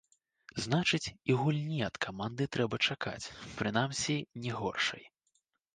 Значыць, і гульні ад каманды трэба чакаць, прынамсі, не горшай.